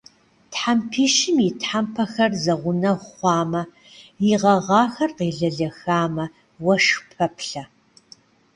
Тхьэмпищым и тхьэмпэхэр зэгъунэгъу хъуамэ, и гъэгъахэр къелэлэхамэ, уэшх пэплъэ.